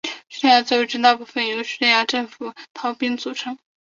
叙利亚自由军大部分由叙政府军的逃兵组成。